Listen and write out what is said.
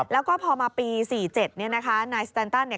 แล้วก็พอมาปี๑๙๔๗นี่นะคะนายสแตนตัน